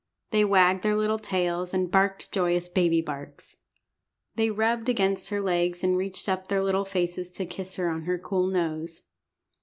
They wagged their little tails, and barked joyous baby barks. They rubbed against her legs, and reached up their little faces to kiss her on her cool nose.